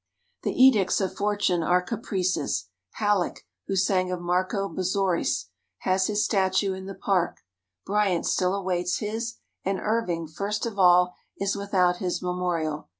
The edicts of Fortune are caprices. Halleck, who sang of Marco Bozzaris, has his statue in the Park. Bryant still awaits his, and Irving, first of all, is without his memorial.